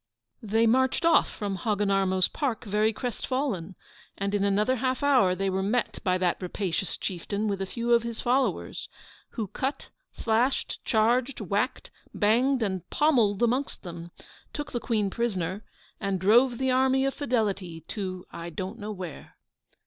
They marched off from Hogginarmo's park very crestfallen; and in another half hour they were met by that rapacious chieftain with a few of his followers, who cut, slashed, charged, whacked, banged, and pommelled amongst them, took the Queen prisoner, and drove the Army of Fidelity to I don't know where.